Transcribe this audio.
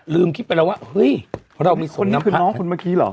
ลืมคิดไปแล้วว่าเฮ้ยเพราะเรามีส่งน้ำพระคนนี้คือน้องคนน้ำเมื่อกี้เหรอ